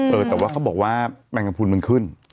เออแต่ว่าเขาบอกว่าแมงกระพุนมันขึ้น